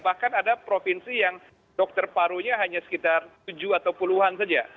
bahkan ada provinsi yang dokter parunya hanya sekitar tujuh atau puluhan saja